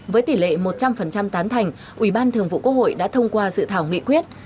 với tỷ lệ một trăm linh tán thành ủy ban thường vụ quốc hội đã thông qua dự thảo nghị quyết